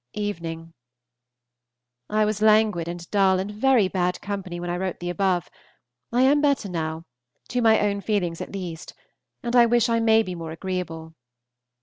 Evening. I was languid and dull and very bad company when I wrote the above; I am better now, to my own feelings at least, and wish I may be more agreeable.